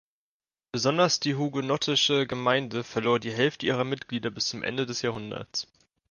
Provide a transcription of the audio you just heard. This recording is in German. Besonders die hugenottische Gemeinde verlor die Hälfte ihrer Mitglieder bis zum Ende des Jahrhunderts.